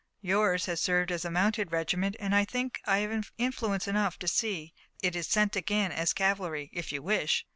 Yours has served as a mounted regiment, and I think I have influence enough to see that it is sent again as cavalry, if you wish."